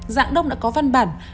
giảng đông đã có văn bản